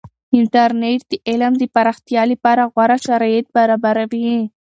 انټرنیټ د علم د پراختیا لپاره غوره شرایط برابروي.